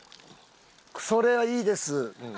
それはいいです。